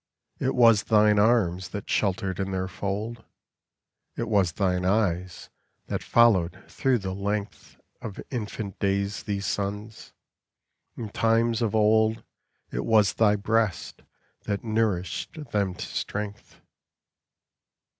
It was thine arms that sheltered in their fold, It was thine eyes that followed through the length Of infant days these sons. In times of old It was thy breast that nourished them to strength.